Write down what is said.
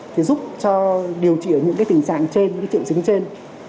thì giúp cho điều trị ở những cái tình trạng trên những cái triệu chứng trên